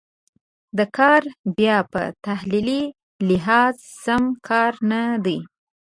دا کار بیا په تحلیلي لحاظ سم کار نه دی.